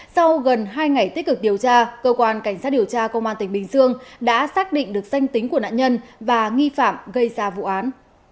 sau gần hai ngày tích cực điều tra cơ quan cảnh sát điều tra công an tỉnh bình dương đã xác định được danh tính của nạn nhân và nghi phạm gây ra vụ án